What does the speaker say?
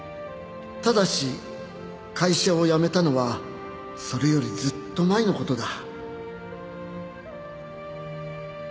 「ただし会社を辞めたのはそれよりずっと前のことだ」